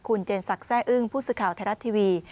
คุณเจนศักดิ์แซ่อึ้งพูดสึกข่าวไทยรัฐทีวี